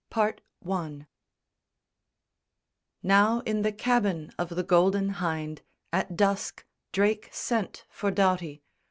BOOK III Now in the cabin of the Golden Hynde At dusk, Drake sent for Doughty.